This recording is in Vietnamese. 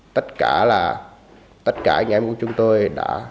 tất cả là tất cả anh em của chúng tôi đã